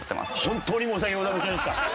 本当に申し訳ございませんでした。